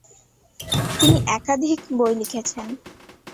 তিনি একাধিক বই লিখেছেন।